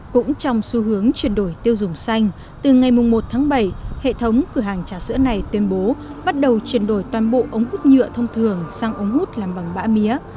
cũng trong xu hướng chuyển đổi tiêu dùng xanh từ ngày một tháng bảy hệ thống cửa hàng trà sữa này tuyên bố bắt đầu chuyển đổi toàn bộ ống hút nhựa thông thường sang ống hút làm bằng bã mía